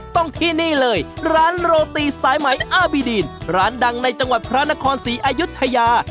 ต้องที่นี่เลยร้านโรตีสายไหมอาบีดีนร้านดังในจังหวัดพระนครศรีอายุทยา